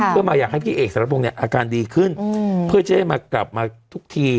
เพื่อมาอยากให้พี่เอกสรพงศ์เนี่ยอาการดีขึ้นเพื่อจะได้มากลับมาทุกที